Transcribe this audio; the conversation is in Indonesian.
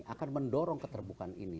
akan mendorong keterbukaan ini